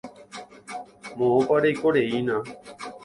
Moõpa reikoreína.